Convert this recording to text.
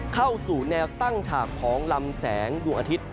เข้าสู่แนวตั้งฉากของลำแสงดวงอาทิตย์